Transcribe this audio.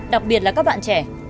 đặc biệt là các bạn trẻ